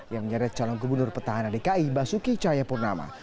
yang menyeret calon gubernur pertahanan dki basuki cayapurnama